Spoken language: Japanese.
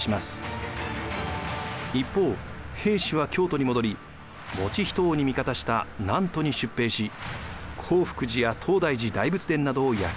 一方平氏は京都に戻り以仁王に味方した南都に出兵し興福寺や東大寺大仏殿などを焼き払うのです。